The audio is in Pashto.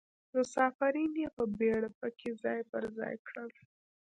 مسافرین یې په بیړه په کې ځای پر ځای کړل.